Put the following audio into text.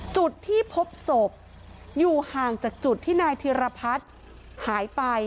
จุดที่พบศพอยู่ห่างจากจุดที่นายธิรพัฒน์หายไป